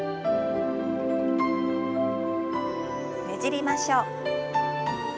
ねじりましょう。